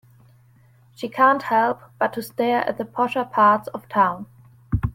She can't help but to stare at the posher parts of town.